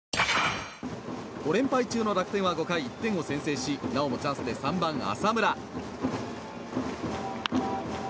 ５連敗中の楽天は５回１点を先制し、なおもチャンスで３番、浅村。